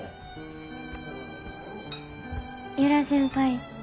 由良先輩